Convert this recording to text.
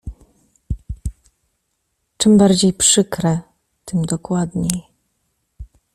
„Czym bardziej przykre, tym dokładniej.